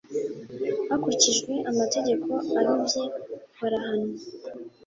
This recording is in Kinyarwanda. hakurikijwe amategeko abibye barahanwa